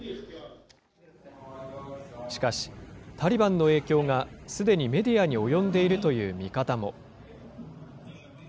しかし、タリバンの影響が、すでにメディアに及んでいるという見方も。